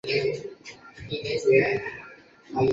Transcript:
卸载军资后班宁顿号在夏威夷近海训练。